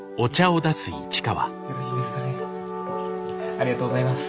ありがとうございます。